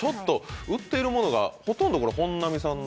売ってるものが、ほとんど本並さんの。